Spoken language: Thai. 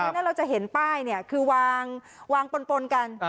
แล้วเราจะเห็นป้ายเนี่ยคือวางปนกัน